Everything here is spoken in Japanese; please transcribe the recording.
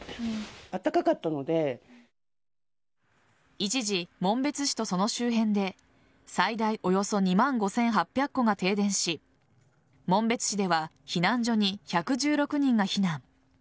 一時、紋別市とその周辺で最大およそ２万５８００戸が停電し紋別市では避難所に１１６人が避難。